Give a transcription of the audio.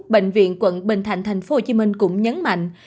bệnh viện quận bình thạnh tp hcm cũng nhấn mạnh